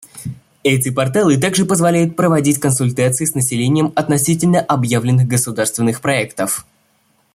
Эти порталы также позволяют проводить консультации с населением относительно объявленных государственных проектов.